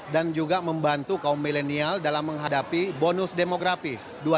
juga membantu kaum milenial dalam menghadapi bonus demografi dua ribu dua puluh